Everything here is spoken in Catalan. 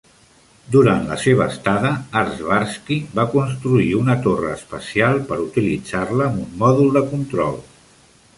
Durant la seva estada, Artsebarsky va construir una torre espacial per utilitzar-la amb un mòdul de control.